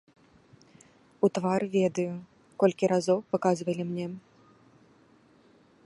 У твар ведаю, колькі разоў паказвалі мне.